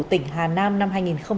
tỉnh hà nam năm hai nghìn hai mươi ba